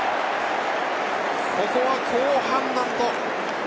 ここは好判断。